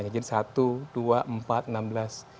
jadi satu dua empat enam belas